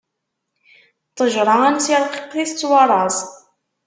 Ṭṭejṛa ansi ṛqiqet, i tettwaṛṛaẓ.